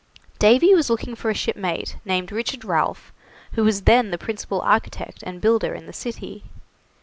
Davy was looking for a shipmate named Richard Ralph, who was then the principal architect and builder in the city.